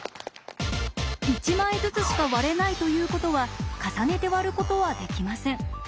１枚ずつしか割れないということは重ねて割ることはできません。